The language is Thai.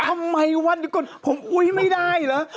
ทำไมวะดูก่อนผมอุ๊ยไม่ได้เหรอ